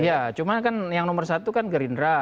ya cuma kan yang nomor satu kan gerindra